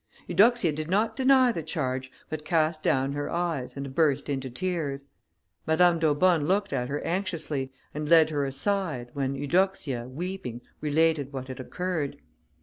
Eudoxia did not deny the charge, but cast down her eyes, and burst into tears. Madame d'Aubonne looked at her anxiously, and led her aside, when Eudoxia, weeping, related what had occurred.